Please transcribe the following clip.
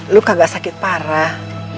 lu kagak sakit parah